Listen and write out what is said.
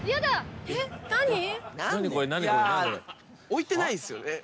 置いてないっすよね。